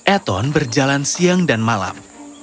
eton berjalan siang dan malam